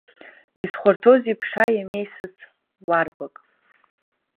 Изхәарҭоузеи ԥша иамеисыц уарбак?